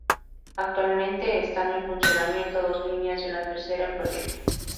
Actualmente están en funcionamiento dos líneas y una tercera en proyecto.